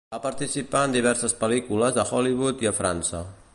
Va participar en diverses pel·lícules a Hollywood i a França.